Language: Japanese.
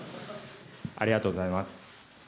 ありがとうございます。